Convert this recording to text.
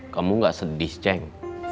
kamu gak sedih ceng